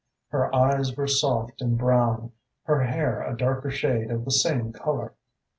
Her eyes were soft and brown, her hair a darker shade of the same colour.